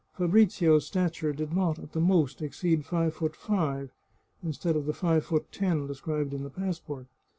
Fabrizio's stature did not, at the most, exceed five foot five, instead of the five foot ten described in the passport.